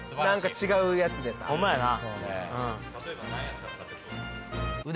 違うやつでさホンマやな